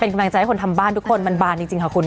กำลังใจให้คนทำบ้านทุกคนมันบานจริงค่ะคุณ